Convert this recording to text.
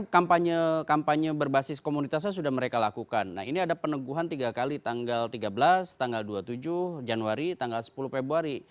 kampanye kampanye berbasis komunitasnya sudah mereka lakukan nah ini ada peneguhan tiga kali tanggal tiga belas tanggal dua puluh tujuh januari tanggal sepuluh februari